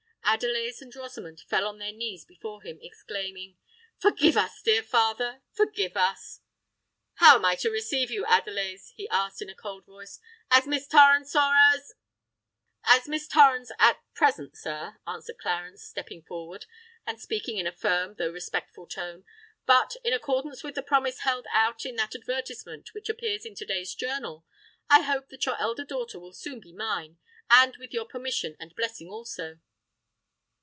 Adelais and Rosamond fell on their knees before him, exclaiming, "Forgive us, dear father—forgive us!" "How am I to receive you, Adelais?" he asked in a cold voice: "as Miss Torrens—or as——" "As Miss Torrens at present, sir," answered Clarence stepping forward, and speaking in a firm though respectful tone. "But, in accordance with the promise held out in that advertisement which appears in to day's journal, I hope that your elder daughter will soon be mine—and with your permission and blessing also."